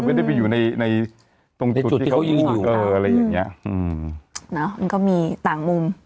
ไม่ได้ไปอยู่ในตรงจุดที่เขาอยู่มันก็มีต่างมุม